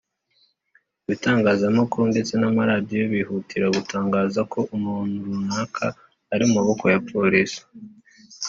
Ibitangazamakuru ndetse n’amaradiyo bihutira gutangaza ko umuntu runaka ari mu maboko ya polisi